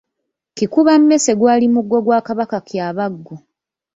Kikuba mmese gwali muggo gwa Kabaka Kyabaggu.